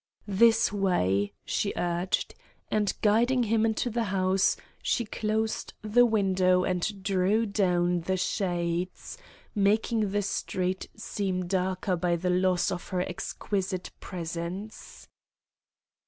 "This way," she urged; and, guiding him into the house, she closed the window and drew down the shades, making the street seem darker by the loss of her exquisite presence.